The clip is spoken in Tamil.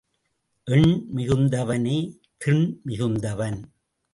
எண் மிகுத்தவனே திண் மிகுத்தவன்.